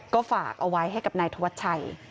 ก็ฝากเอาไว้ให้กับนายธวัชชัย